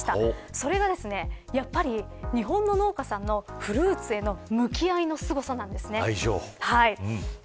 それが、やっぱり日本のフルーツ農家さんへの向き合いのすごさなんです。